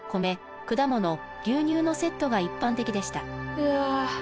うわ。